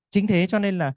chính thế cho nên là